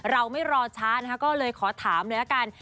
เราไม่รอช้านะคะก็เลยขอถามเลยละกัน